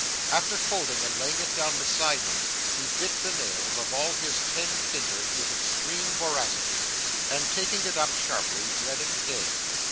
After folding and laying it down beside him, he bit the nails of all of his ten fingers with extreme voracity; and taking it up sharply, read it again.